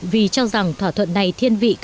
vì cho rằng thỏa thuận này thiên vị các nước